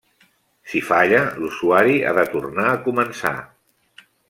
Si falla, l'usuari ha de tornar a començar.